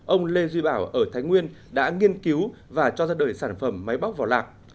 ông lê duy bảo ở thái nguyên đã nghiên cứu và cho ra đời sản phẩm máy bóc vỏ lạc